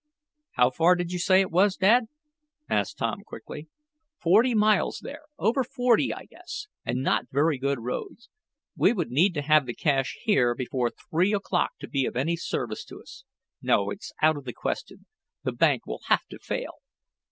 "How far did you say it was, Dad?" asked Tom quickly. "Forty miles there, over forty, I guess, and not very good roads. We would need to have the cash here before three o'clock to be of any service to us. No, it's out of the question. The bank will have to fail!"